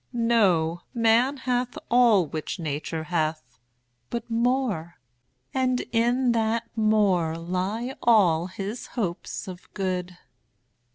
Know, man hath all which Nature hath, but more, And in that more lie all his hopes of good.